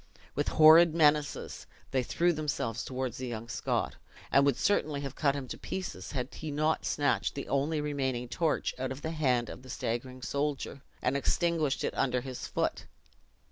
With horrid menaces, they threw themselves toward the young Scot, and would certainly have cut him to pieces, had he not snatched the only remaining torch out of the hand of the staggering soldier, and extinguished it under his foot.